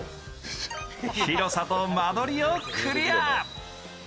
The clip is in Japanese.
広さと間取りをクリア。